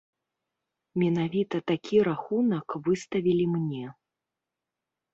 Менавіта такі рахунак выставілі мне.